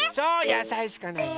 やさいしかないの。